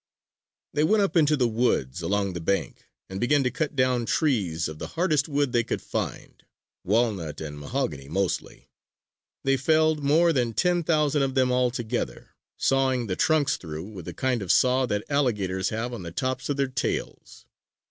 They went up into the woods along the bank and began to cut down trees of the hardest wood they could find walnut and mahogany, mostly. They felled more than ten thousand of them altogether, sawing the trunks through with the kind of saw that alligators have on the tops of their tails.